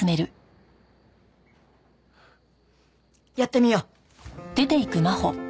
やってみよう！